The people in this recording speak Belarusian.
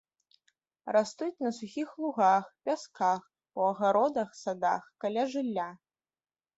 Растуць на сухіх лугах, пясках, у агародах, садах, каля жылля.